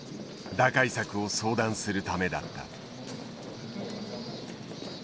打開策を相談するためだった。